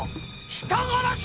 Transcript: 人殺し！